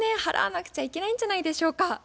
払わなくちゃいけないんじゃないでしょうか。